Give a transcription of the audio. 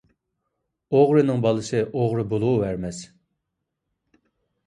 ئوغرىنىڭ بالىسى ئوغرى بولۇۋەرمەس.